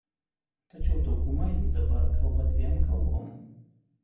Tačiau dauguma jų dabar kalba dviem kalbom.